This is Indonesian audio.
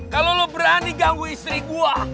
kalau lo berani ganggu istri gue